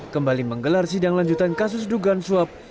kembali menggelar sidang lanjutan kasus dugaan suap